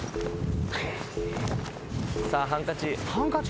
さぁハンカチ。